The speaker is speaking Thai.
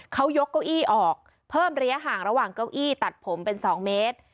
เขายกเก้าอี้ออกเพิ่มระยะห่างระหว่างเก้าอี้ตัดผมเป็น๒เมตร